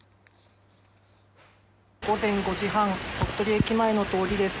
午前５時半、鳥取駅前の通りです。